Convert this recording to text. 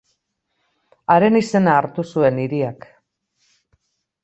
Haren izena hartu zuen hiriak.